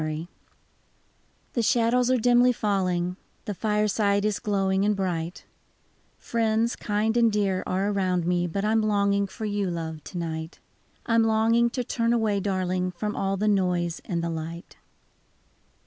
I HE shadows are dimly falling, The fireside is glowing and bright, Friends kind and dear are around me. But I 'm longing for you, love, to night ; I 'm longing to turn away, darling, From all the noise and the light.